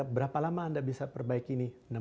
berapa lama anda bisa perbaiki ini